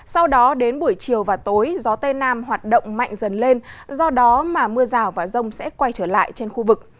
sau đó đến buổi chiều và tối gió tây nam hoạt động mạnh dần lên do đó mà mưa rào và rông sẽ quay trở lại trên khu vực